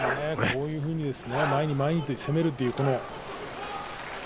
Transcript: こういうふうに前に前に攻めるという。